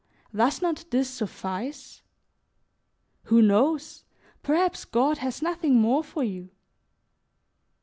Does not this suffice? Who knows, perhaps God has nothing more for you?